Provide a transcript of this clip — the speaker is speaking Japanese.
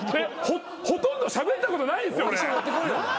ほとんどしゃべったことないですよ俺。